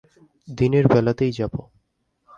দিনের বেলাতেই যাব।